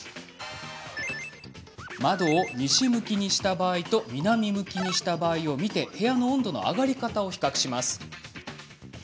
窓を西向きにした場合と南向きにした場合を見て部屋の温度の上がり方を比較します。